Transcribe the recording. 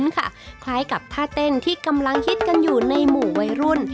คล้ายกับท่าเต้นที่กำลังฮิตกันอยู่ในหมู่วัยรุ่น